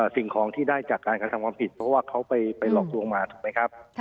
สิ่งของที่ได้จากการกระทำความผิดเพราะว่าเขาไปหลอกลวงมาถูกไหมครับ